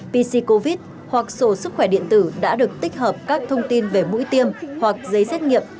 pc covid hoặc sổ sức khỏe điện tử đã được tích hợp các thông tin về mũi tiêm hoặc giấy xét nghiệm